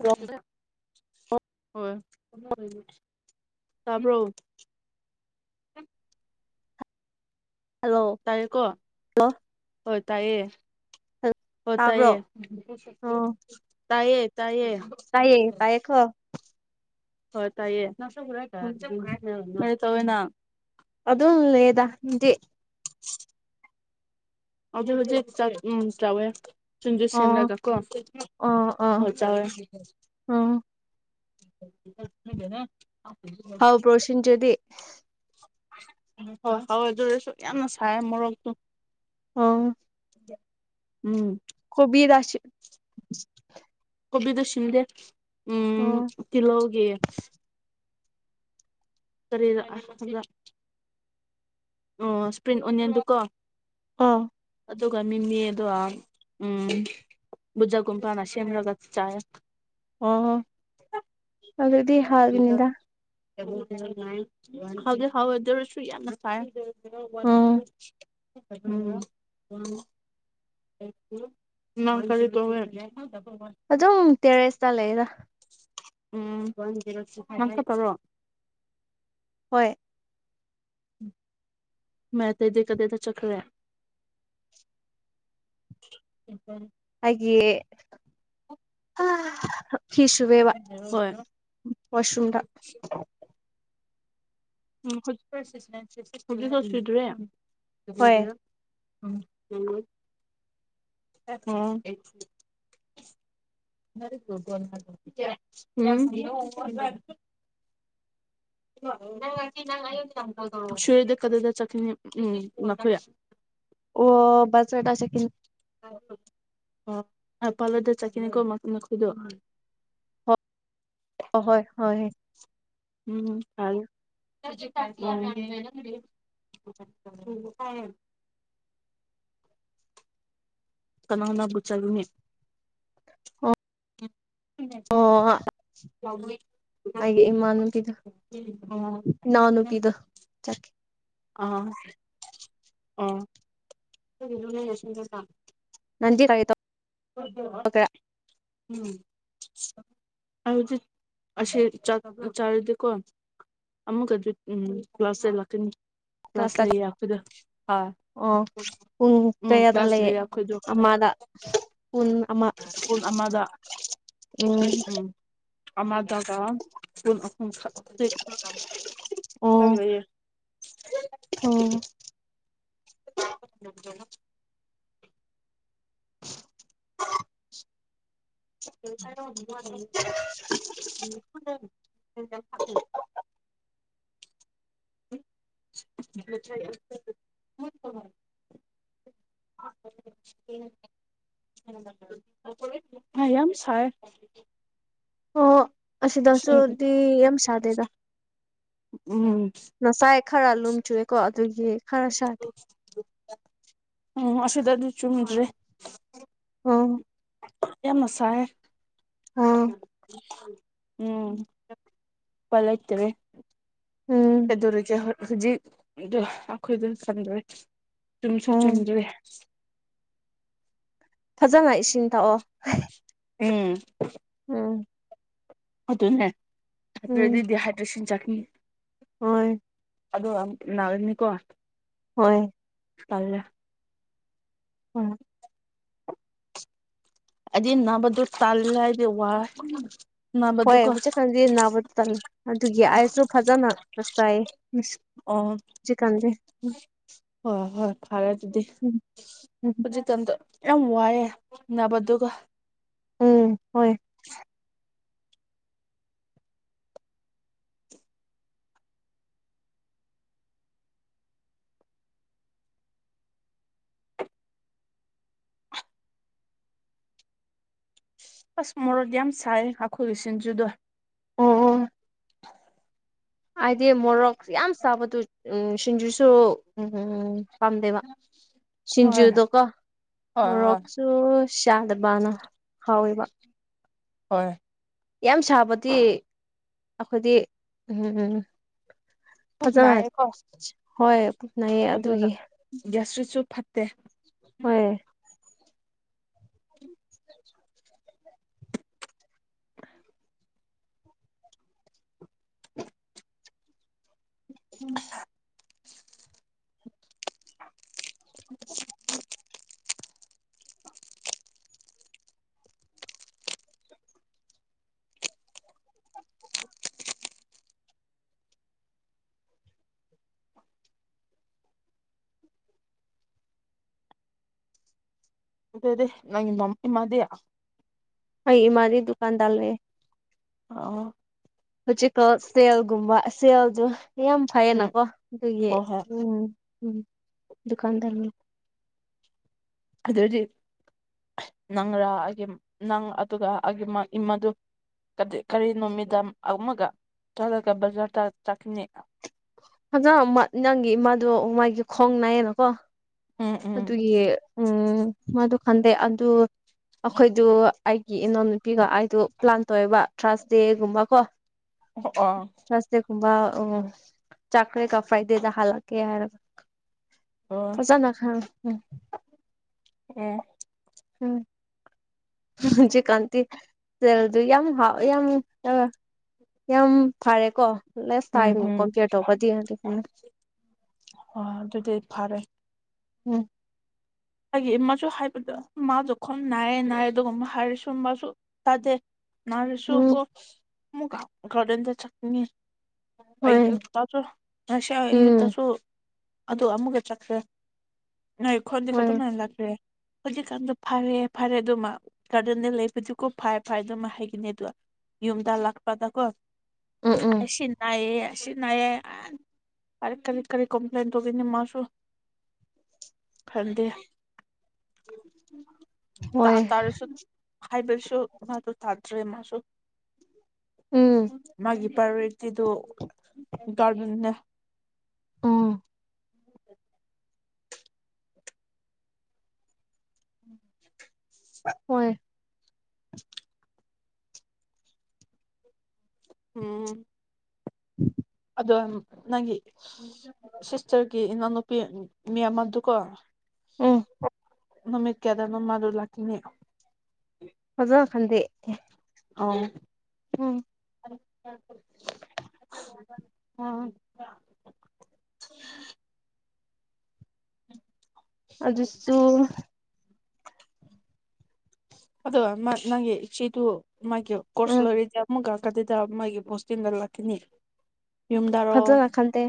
hello ꯍꯣꯢ ꯇꯕ꯭ꯔꯣ hello ꯇꯥꯏꯌꯦꯀꯣ ꯍꯜꯂꯣ ꯍꯣꯏ ꯇꯥꯏꯌꯦ ꯍꯜ ꯍ ꯇꯥꯕ꯭ꯔꯣ ꯇꯌꯦ ꯑꯣ ꯇꯌꯦ ꯇꯥꯏꯌꯦ ꯇꯥꯏꯌꯦ ꯇꯏꯌꯦ ꯀꯣ ꯍꯣꯏ ꯇꯥꯏꯌꯦ ꯀꯩ ꯇꯧꯔꯤ ꯅꯪ ꯑꯗꯨꯝ ꯂꯩꯌꯦꯗ ꯅꯪꯗꯤ ꯍꯧꯖꯤꯦ ꯍꯧꯖꯤꯦ ꯆ ꯎꯝ ꯆꯕꯣꯏꯦ [inaudible] ꯁꯤꯡꯖꯨ ꯑꯣ ꯁꯦꯝꯃꯂꯒꯥ ꯀꯣ ꯑꯣ ꯑꯣ ꯆꯥꯏꯌꯦ ꯑꯣ ꯗꯦ [inaudible] ꯍꯥꯎꯄ꯭ꯔꯣ ꯁꯤꯟꯖꯨꯗꯤ ꯍꯣꯏ ꯍꯧꯎꯏ ꯑꯗꯨꯔꯁꯨ ꯌꯥꯝꯅ ꯁꯥꯏ ꯃꯣꯔꯣꯛꯇꯨ ꯑꯣ ꯎꯝ ꯀꯨꯕꯤꯔ ꯀꯣꯕꯤꯗ ꯁꯤꯟꯗꯦ ꯑꯣ ꯎꯝ ꯀꯤꯂꯣꯒꯤ ꯇꯔꯦꯔ [inaudible] ꯑꯣ ꯏꯁꯄ꯭ꯔꯤꯡ ꯑꯣꯅꯤꯌꯟꯗꯨꯀꯣ ꯑꯥ ꯑꯗꯨꯒ ꯃꯤꯃꯤ ꯑꯗꯨ ꯎꯝ ꯕꯨꯖꯥꯒꯨꯝꯐꯅ ꯁꯦꯝꯔꯒ ꯆꯥꯏ ꯑꯣ ꯑꯗꯨꯗꯤ ꯍꯥꯎꯒꯅꯤꯗ ꯍꯧꯎꯗꯤ ꯍꯧꯌꯦ ꯑꯗꯨ ꯑꯣꯏꯔꯁꯨ ꯌꯥꯝꯅ ꯁꯥꯏꯌꯦ ꯎꯝ ꯅꯪ ꯀꯔꯤ ꯇꯧꯌꯦ ꯑꯗꯨꯝ ꯇꯦꯔꯦꯁꯇ ꯂꯩꯗ ꯎꯝ ꯅꯪ ꯈꯛꯇꯔꯣ ꯍꯣꯏ ꯎꯝ [inaudible] ꯃꯣꯢ ꯑꯇꯩꯗꯤ ꯀꯗꯥꯢꯗ ꯆꯠꯈꯔꯦ ꯍꯥꯏꯦ [inaudible] ꯐꯤꯁꯨꯕꯦꯕ ꯍꯣꯏ ꯋꯥꯁꯔꯨꯗ ꯎꯝ ꯈ ꯆꯗ꯭ꯔꯦ ꯍꯣꯏ [inaudible] ꯎꯝ ꯎꯝ ꯎꯝ [unintelligible] ꯁꯣꯏꯨꯔꯗ ꯀꯗꯗ ꯆꯈꯅꯤ ꯎꯝꯅꯊꯨꯌꯥ [inaudible] ꯑꯣ ꯄꯥꯁꯇꯔꯗ ꯆꯠꯀꯅꯤ ꯑꯣ ꯄꯥꯜꯂꯗ ꯆꯠꯈꯤꯅꯤꯀꯣ ꯃꯈꯣꯏꯗꯣ ꯍ ꯍꯣꯏ ꯍ ꯎꯝ ꯐ [unintelligible] [unintelligible] ꯀꯅꯥꯅꯕꯨ ꯆꯂꯨꯅꯤ ꯍꯣꯏ ꯑꯣ ꯎ ꯂꯕꯨꯏ [inaudible] ꯑꯩꯒꯤ ꯏꯃꯅꯕꯤꯗꯨ ꯏꯎꯅꯨꯄꯤꯗꯨ ꯆꯠ ꯑꯥ ꯎ [unintelligible] ꯅꯟ ꯀꯥꯏ ꯎꯝ ꯍꯧꯖꯤ ꯑꯁꯤꯁ ꯆꯥ ꯆ ꯆꯥꯔꯗꯤꯀꯣ ꯑꯃꯨꯛꯀ ꯑꯗꯨ ꯎꯝ ꯀ꯭ꯂꯥꯁꯇ ꯂꯥꯛꯀꯅꯤ ꯀ꯭ꯂꯥꯁ ꯂꯩꯈꯣꯏꯗ ꯑꯥ ꯑꯣ ꯄꯨꯡ ꯎꯝ ꯀꯌꯥꯗ ꯀ꯭ꯂꯥꯁ ꯂꯩꯌꯦꯦ ꯂꯩꯌꯦ ꯑꯩꯈꯣꯏꯗꯣ ꯑꯃꯥꯗ ꯄꯨꯟ ꯑꯃ ꯄꯨꯡ ꯑꯃꯗ ꯎꯝ ꯑꯥꯗ ꯆ [unintelligible] [inaudible] [unintelligible] [inaudible] ꯑꯣ ꯗꯅ [inaudible] [inaudible] [unintelligible] [inaudible] ꯀꯥꯏꯅꯕ [unintelligible] ꯍ ꯐ [unintelligible] [inaudible] [unintelligible] [inaudible] [inaudible] [unintelligible] [unintelligible] [inaudible] [unintelligible] [unintelligible] ꯑ ꯌꯥꯝ ꯁꯥꯏ ꯑꯣ ꯎꯝ ꯑꯁꯤꯗꯁꯨꯗꯤ ꯌꯥꯝ ꯁꯥꯗꯦꯗ ꯎꯝ ꯑꯦꯔꯥꯜꯂꯨꯝ ꯆꯨꯦꯀꯣ ꯑꯗꯨꯒꯤ ꯈꯔ ꯁꯥꯗꯤꯦ ꯎꯝ ꯑꯁꯤꯗꯗꯤ ꯆꯨꯝꯗ꯭ꯔꯦ ꯌꯥꯝ ꯃꯁꯥꯏ ꯑꯣ ꯎꯝ ꯐꯂ ꯎꯝ ꯏꯇꯦꯗꯨꯔꯒ ꯍꯧꯖꯤꯛ ꯑꯩꯈꯣꯏꯗ ꯁꯟꯗ꯭ꯔꯦ ꯆꯨꯝꯁꯨ ꯎꯝ ꯆꯨꯝꯗ꯭ꯔꯦ ꯐꯖꯅ ꯏꯁꯤꯡ ꯊꯛꯑꯣ ꯎꯝ ꯑꯝ ꯑꯗꯨꯅꯦ ꯑꯗꯨꯔꯗꯤ ꯎꯝ ꯗꯤꯍꯥꯏꯗ꯭ꯔꯦꯁꯟ ꯆꯥꯛꯅꯤ ꯍꯣꯏ ꯑꯗꯣ ꯅꯥꯅꯤꯀꯣ ꯍꯣꯏ ꯇꯜꯂꯦ ꯎꯝ ꯑꯗꯨꯗꯤ ꯅꯕꯗꯨ ꯇꯜꯂꯗꯤ ꯋꯥꯏ ꯍꯣꯏ ꯅꯥꯕꯗꯨꯀꯣ ꯍꯧꯖꯤꯛ ꯈꯥꯟꯗꯦ ꯅꯥꯕꯗ ꯇꯜꯂꯦ ꯑꯗꯨꯒꯤ ꯑꯥꯏꯁꯁꯨ ꯐꯖꯅ ꯉꯥꯛꯆꯥꯏꯌꯦ ꯑꯣ ꯍꯣꯏ ꯍꯣꯏ ꯐꯔꯦ ꯑꯗꯨꯗꯤ ꯎꯝ ꯎꯝ ꯍꯧꯖꯤ ꯇꯗ ꯌꯥꯝ ꯋꯥꯏꯦ ꯅꯅꯥꯕꯗꯨꯒ ꯎꯝ ꯍꯣꯏ ꯑꯁ ꯃꯣꯔꯗꯤ ꯌꯥꯝ ꯆꯥꯏ ꯍꯥꯈꯨ ꯁꯤꯟꯖꯨꯗ ꯑꯣ ꯑꯣ ꯍꯥꯏꯗꯤ ꯃꯣꯔꯣꯛ ꯌꯥꯝ ꯁꯥꯕꯗꯨ ꯎ ꯁꯤꯡꯖꯨꯁꯨ ꯎꯝꯝ ꯎꯝ ꯄꯥꯝꯗꯦꯕ ꯍꯣꯏ ꯁꯤꯡꯖꯨꯗꯣꯀꯣ ꯍꯣꯏ ꯍꯣꯏ ꯃꯣꯔꯣꯛꯁꯨ ꯆꯥꯗꯕꯥꯅ ꯍꯥꯎꯣꯏꯕ ꯍꯣꯏ ꯌꯥꯝ ꯁꯥꯕꯗꯤ ꯑꯩꯈꯣꯏꯗꯤ ꯎꯝ ꯎ ꯄꯨꯛ ꯐꯖꯅ ꯅꯥꯏꯌꯦꯀꯣ ꯍꯣꯏ ꯄꯨꯨꯞꯅꯩꯌꯦ ꯑꯗꯨ ꯑꯗꯨꯒꯤ ꯒ꯭ꯌꯥꯁꯇ꯭ꯔꯤꯛꯁꯨ ꯐꯠꯇꯦ ꯍꯣꯏ [inaudible] [unintelligible] [inaudible] ꯎꯝ [inaudible] [inaudible] [unintelligible] ꯑꯗꯗꯦ ꯅꯪ ꯃꯃꯃꯗꯌꯥ ꯑꯩ ꯃꯥꯒꯤ ꯗꯨꯀꯥꯟꯗꯥꯔ ꯂꯩ ꯑ ꯍꯧꯖꯤꯛꯀꯣ ꯁꯦꯜꯒꯨꯝꯕ ꯁꯦꯜꯁꯨ ꯌꯥꯝ ꯎꯝ ꯐꯩꯌꯦꯅꯀꯣ ꯑꯗꯨꯒꯤ ꯍꯣꯏ ꯍꯣꯏ ꯎꯝ ꯎꯝ ꯗꯨꯀꯥꯟꯗꯔꯅ ꯑꯗꯨꯗꯤ ꯅꯪꯔꯥ ꯑꯩꯒꯤ ꯅꯪ ꯑꯗꯨꯒ ꯑꯩꯒꯤ ꯏꯃꯗꯨ ꯀꯔꯤ ꯅꯨꯃꯤꯗꯥꯡ ꯑꯃꯒ ꯆꯠꯂꯒ ꯕꯖꯥꯔꯗ ꯆꯠꯈꯤꯅꯤ ꯐꯖꯅ ꯅꯪꯒꯤ ꯏꯃꯥꯗꯣ ꯃꯥꯒꯤ ꯈꯣꯡ ꯅꯥꯏꯌꯦꯅꯀꯣ ꯎꯝ ꯎꯝ ꯑꯗꯨꯒꯤ ꯎꯝ ꯃꯗꯨ ꯈꯟꯗꯦ ꯑꯗꯨ ꯑꯩꯈꯣꯏꯗꯨ ꯑꯩꯒꯤ ꯏꯅꯎ ꯅꯨꯨꯄꯤꯒ ꯑꯩꯗꯨ ꯄ꯭ꯂꯥꯟ ꯇꯧꯋꯦꯕ ꯊꯔꯁ ꯗꯦꯒꯨꯝꯕ ꯀꯣ ꯑꯣ ꯑꯣ ꯁꯋꯥꯁꯦ ꯀꯨꯝꯕ ꯑꯣ ꯆꯥꯛꯀ꯭ꯔ ꯀ ꯐꯥꯏꯗꯦꯗ ꯍꯜꯂꯛꯀꯤ ꯍꯥꯏꯔ ꯑꯣ ꯎꯝ ꯎꯝ ꯎꯝ ꯎꯝ ꯖꯤ ꯀꯥꯟꯇꯤ ꯆ ꯑꯗꯨ ꯌꯥꯝ ꯍꯥꯎ ꯌꯥꯝ ꯌꯥꯝ ꯐꯔꯦꯀꯣ ꯂꯦꯁ ꯎꯝ ꯇꯥꯏꯝ ꯀꯝꯄꯤꯌꯔ ꯇꯧꯕꯗꯤ ꯑꯗꯨꯃꯥꯏꯅ ꯑ ꯑꯗꯨꯗꯤ ꯐꯔꯦ ꯎꯝ ꯑꯩꯒꯤ ꯃꯥꯁꯨ ꯍꯥꯏꯕꯗꯣ ꯃꯥꯁꯨ ꯈ ꯅꯥꯏꯔꯦ ꯅꯥꯏꯔꯦ ꯑꯗꯨꯒ ꯍꯥꯏꯔꯁꯨ ꯃꯥꯁꯨ ꯇꯥꯗꯦ ꯅ ꯁꯣ ꯎꯝ ꯀꯧꯕꯣ ꯔꯗꯦꯟꯗ ꯆ ꯍꯣꯏ ꯑꯩꯨꯁꯨ ꯑꯁꯥ ꯑꯌ ꯎꯝ ꯊꯁꯨ ꯑꯗꯨꯗ ꯑꯃꯨꯒ ꯆꯈ꯭ꯔꯦ ꯀ ꯍꯣꯏ ꯃꯥꯏꯅ ꯂꯥꯛꯒꯦ ꯍꯧꯖꯤꯛꯀꯥꯟꯗ ꯐꯔꯦ ꯐꯔꯦ ꯑꯗꯨꯃ ꯒꯥꯔꯗꯦꯟꯗ ꯂꯩꯕꯗꯤꯀꯣ ꯐꯔ ꯐꯔ ꯑꯗꯨꯃ ꯍꯥꯏꯈꯤꯅꯤ ꯑꯗꯨꯒ ꯌꯨꯝꯗ ꯂꯥꯛꯄꯗꯀꯣ ꯎꯝ ꯎꯝ ꯁꯤꯅꯥꯑꯌꯦ ꯁꯤ ꯅꯥꯌꯦ ꯀꯔꯤ ꯀꯔꯤ ꯀꯔꯤ ꯀꯝꯄ꯭ꯂꯦꯟ ꯇꯧꯤꯅꯤ ꯃꯥꯁꯨ [inaudible] ꯈꯪꯗ ꯍꯣꯏ ꯍꯥꯏꯕꯁꯨ ꯃꯥꯗꯣ ꯇꯥꯗ꯭ꯔꯦ ꯃꯥꯁꯨ ꯎꯝ ꯃꯥꯒꯤ ꯄꯔꯣꯔꯤꯇꯤꯗꯨ ꯒꯥꯔꯗꯟꯅꯦ ꯎꯝ ꯎꯝ ꯍꯣꯏ ꯎꯝ ꯑꯗꯣ ꯅꯪꯒꯤ ꯁꯤꯁꯇꯔꯒꯤ ꯏꯅꯥꯎꯅꯨꯄꯤ ꯃꯤꯌꯥꯝꯀꯣ ꯎ ꯅꯃꯤ ꯀꯦꯗꯅꯣ ꯃꯥꯗꯨ ꯂꯀꯤꯅꯤ ꯐꯖꯥ ꯈꯪꯗꯦ ꯑꯥꯎ ꯎꯝ ꯎ ꯑꯝ ꯑꯗꯨꯁꯨ ꯑꯗꯣ ꯃ ꯅꯪꯒꯤ ꯏ ꯆꯦꯗꯨ ꯃꯥꯒꯤ ꯀꯣꯔꯁ ꯎꯝ ꯂꯣꯏꯔꯤꯗꯤ ꯑꯃꯨꯛꯥꯛꯀꯗꯗ ꯃꯥꯒꯤ ꯍꯣꯁꯇꯤꯡꯗ ꯂꯥꯛꯀꯅꯤ ꯐꯖꯅ ꯈꯟꯗꯦ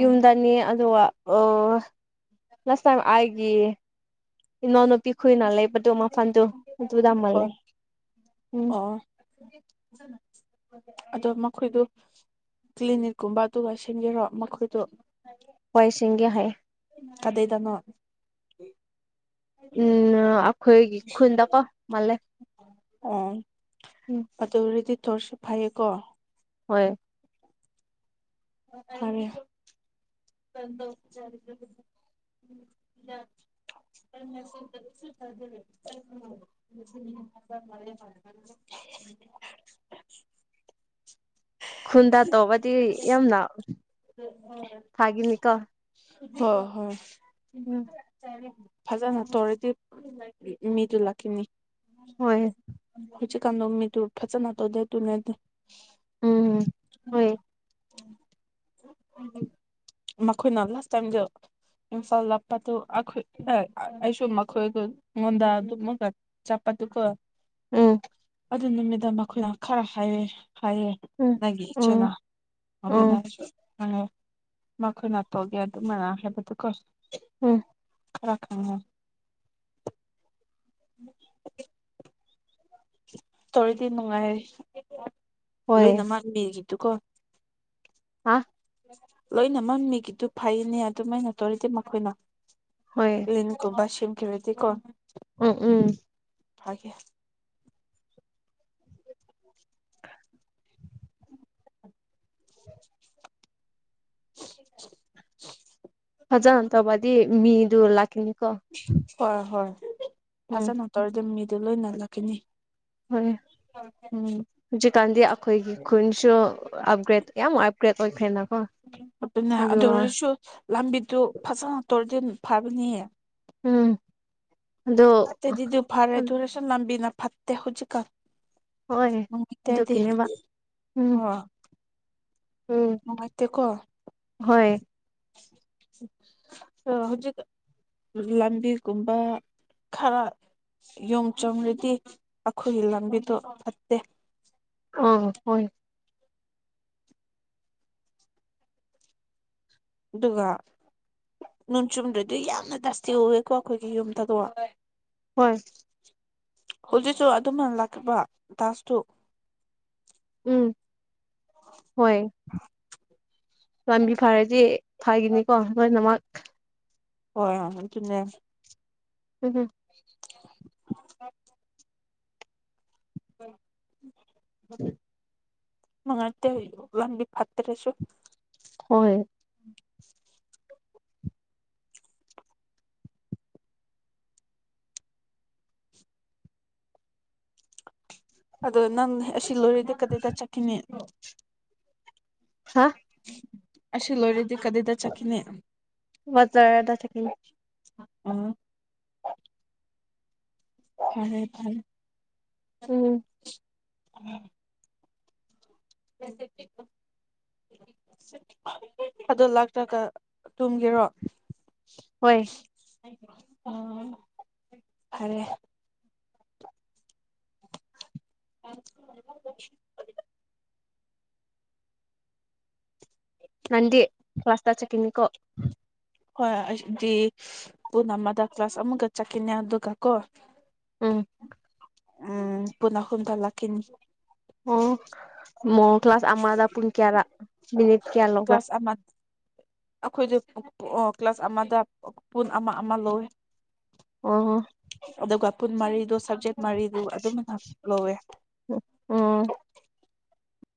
ꯌꯨꯝꯗꯅꯤ ꯑꯗꯨꯒ ꯑꯣ ꯂꯁ ꯇꯥꯏ ꯍꯥꯏꯒꯦ ꯏꯅꯣꯅ ꯄꯈꯨꯣꯏ ꯅ ꯂꯩ ꯗꯃꯥ ꯐꯥꯟꯗꯣ ꯑꯗꯨ ꯑꯗꯨꯗꯝ ꯅ ꯂꯩꯦ ꯍꯣꯏ ꯎꯝ ꯑꯣ [inaudible] ꯑꯗꯣ ꯃꯈꯣꯏꯗꯣ ꯀ꯭ꯂꯤꯅꯤꯛꯀꯨꯝꯕ ꯑꯗꯨꯒ ꯁꯦꯝꯟꯒꯔꯣ ꯃꯈꯣꯏꯗꯣ ꯍꯏꯁꯤꯡꯒꯦ ꯍꯥꯏ ꯀꯗꯩꯗꯅꯣ ꯎꯝ ꯑꯈꯣꯏ ꯈꯨꯟꯗꯀꯣ ꯃꯜꯦ ꯑꯣ ꯑꯗꯨꯔꯗꯤ ꯊꯣꯔꯁꯨꯞ ꯐꯥꯏꯌꯦꯀꯣ ꯍꯣꯏ ꯐꯔꯦ ꯀꯗꯣ ꯆ [inaudible] ꯎ [inaudible] ꯈꯨꯟꯗ ꯇꯧꯕꯗꯤ ꯌꯥꯝꯅ ꯊꯥꯒꯤꯅꯤꯀꯣ ꯍ ꯍꯣꯏ ꯐꯖꯅ ꯇꯧꯔꯗꯤ ꯃꯤꯗꯨ ꯂꯥꯛꯈꯤꯅꯤ ꯍꯣꯏ ꯆ ꯀꯥꯟ ꯂ ꯃꯤ ꯇ ꯎ ꯐꯆ ꯅꯅꯥꯠꯇꯧꯗꯦ ꯇꯨꯅ ꯎꯝ ꯍꯣꯏ ꯃꯈꯣꯏꯅ ꯂꯥꯁ ꯇꯥꯏꯝꯗ ꯏꯝꯐꯥꯜ ꯂꯞꯄꯗꯨ ꯑꯩꯈꯣꯏ ꯑꯩꯁꯨꯨꯝ ꯃꯈꯣꯏꯒꯉꯣꯟꯗ ꯑꯗꯨꯝꯃꯒ ꯆꯠꯄ ꯑꯗꯨꯗꯨ ꯀ ꯎꯝ ꯑꯗꯨ ꯅꯨꯃꯤꯗꯥꯡ ꯑꯩꯈꯣꯏꯅ ꯈꯔ ꯍꯥꯏꯔꯦ ꯍꯥꯏꯌꯦ ꯎꯝ ꯅꯪꯒꯤ ꯏꯆꯦꯅꯥ ꯎꯝ ꯎꯝ ꯃꯈꯣꯏ ꯅꯥꯊꯣꯛꯒꯦ ꯑꯗꯨꯃꯅ ꯍꯥꯏꯕꯗꯨ ꯀꯣ ꯎꯝ ꯔ ꯍꯥꯏ ꯇꯧꯔꯗꯤ ꯅꯨꯡꯉꯥꯏꯔꯦ ꯍꯣꯏ ꯂꯣꯏꯅꯃꯛꯥꯟꯕꯤꯈꯤꯕ ꯇꯨꯀꯣ ꯍꯥ ꯂꯣꯏꯅ ꯃꯝꯃꯤꯒꯤꯗꯨ ꯐꯩꯅꯦ ꯑꯗꯨꯝꯃꯥꯏꯩꯅ ꯇꯧꯔꯤꯗꯤ ꯃꯈꯣꯏꯅ ꯍꯣꯏ ꯂꯤ ꯀꯨ ꯁꯤꯝ ꯈꯕꯦꯗꯤ ꯀꯣꯣꯟ ꯎꯝ ꯎꯝ ꯐꯒꯦ ꯎ [inaudible] ꯐꯖꯅ ꯇꯧꯕꯗꯤ ꯃꯤꯗꯨ ꯂꯥꯛꯀꯅꯤ ꯍ ꯍꯣꯏ ꯎꯝ ꯐꯖꯅ ꯇꯧꯔꯗꯤ ꯃꯤꯗꯨ ꯂꯣꯏꯅꯜꯂꯛꯈꯤꯅꯤ ꯍꯣꯏ ꯍꯧꯖꯤ ꯀꯥꯟꯗꯤ ꯑꯩꯈꯣꯏꯒꯤ ꯈꯨꯟꯁꯨ ꯑꯞꯒ꯭ꯔꯦꯗ ꯌꯥꯝ ꯑꯞꯒ꯭ꯔꯦꯗ ꯑꯣꯏꯈ꯭ꯔꯦꯅ ꯑꯗꯨꯅꯦ ꯑꯗꯨ ꯑꯣꯏꯔꯁꯨ ꯂꯝꯕꯤꯗꯨ ꯐꯖꯅ ꯇꯣꯔ ꯇꯤꯟ ꯐꯕꯅꯤꯌꯦ ꯎꯝ ꯑꯦ ꯑꯗꯣ ꯗꯗꯨ ꯐꯔꯦ ꯗꯨꯔꯁꯣꯟ ꯅꯕꯤꯅ ꯐꯠꯇꯦ ꯍꯨꯖꯀ ꯍꯣꯏ ꯏꯇꯗꯤ ꯑꯗꯨꯒꯤꯅꯦꯕ ꯎꯝ ꯑ ꯎꯝ ꯃꯉꯥꯏꯠꯇ ꯀꯣ ꯍꯣꯏ ꯑ ꯍꯧꯖꯤꯛ ꯂꯝꯕꯤꯒꯨꯝꯕ ꯈꯔ ꯌꯣꯨꯝ ꯆꯣꯡꯔꯗꯤ ꯑꯩꯈꯣꯏꯒꯤ ꯂꯝꯕꯤꯗꯣ ꯐꯠꯇꯦ ꯑ ꯍꯣꯏ ꯑꯗꯨꯒ ꯅꯣꯡ ꯆꯨꯝꯗ꯭ꯔꯗꯤ ꯌꯥꯝꯅ ꯗꯁꯇꯤ ꯑꯣꯏꯑꯦꯀꯣ ꯑꯩꯈꯣꯏꯒꯤ ꯌꯨꯝꯗꯗꯣ ꯍꯣꯏ ꯍꯧꯖꯤꯛꯁꯨ ꯑꯗꯨꯃ ꯂꯥꯛꯕ ꯗꯥꯁꯇꯨ ꯎꯝ ꯍꯣꯏ ꯂꯝꯕꯤ ꯐꯔꯗꯤ ꯐꯒꯤꯅꯤꯀꯣ ꯂꯣꯏꯅꯃꯛ ꯍꯣꯏ ꯍ ꯑꯗꯨꯟꯅ ꯎꯝ [inaudible] ꯎꯝ ꯁ ꯃꯉꯠꯇ ꯋꯥꯟꯗꯤ ꯐꯠꯇꯔꯦꯁꯨꯣ ꯍꯣꯏ [unintelligible] ꯑꯗꯣ ꯅꯪ ꯁꯤꯜꯂꯣꯔꯤꯗ ꯀꯗꯗ ꯆꯀꯤꯅꯦ ꯍꯥ ꯑꯁꯤ ꯂꯣꯏꯔꯗꯤ ꯀꯗꯥꯏꯗ ꯆꯠꯈꯤꯅꯤ ꯕꯖꯥꯔꯗ ꯆꯠꯀꯅꯤ ꯑ ꯐꯔꯦ ꯐꯔꯦ ꯎꯝ ꯎꯝ ꯁꯀꯣ ꯑꯗꯣ ꯂꯥꯛꯇ꯭ꯔꯒ ꯇꯨꯝꯒꯤꯔꯣ ꯍꯣꯏ ꯑ ꯐꯔꯦ [unintelligible] ꯅꯟꯦ ꯐꯋꯥꯁꯇꯥ ꯆ ꯀꯅꯤꯀꯣ ꯍꯣꯏ ꯑꯩꯗꯤ ꯄꯨꯟ ꯑꯃꯗ ꯀ꯭ꯂꯥꯁ ꯑꯃꯒ ꯆꯠꯈꯤꯅꯦ ꯑꯗꯨꯒ ꯀꯣ ꯎꯝ ꯎꯝ ꯄꯨꯅꯍꯨꯝꯗ ꯂ ꯑꯣ ꯃ ꯀ꯭ꯂꯥꯁ ꯑꯃꯗ ꯄꯨꯟ ꯀꯌꯥꯔ ꯃꯤꯅꯤꯠ ꯀꯌꯥ ꯂꯧꯕ꯭ꯔꯥ ꯀ꯭ꯂꯥꯁ ꯑ ꯑꯩꯈꯣꯏꯗ ꯀ꯭ꯂꯥꯁ ꯑꯃꯗ ꯄꯨꯟ ꯑꯃ ꯑꯃ ꯂꯧꯋ ꯑꯣ ꯍꯣ ꯀꯨꯟ ꯃꯔꯤꯗꯨ ꯁꯕꯖꯦꯛ ꯃꯔꯤꯗꯨ ꯑꯗꯨꯝꯅ ꯂꯧꯋꯦ ꯑꯣ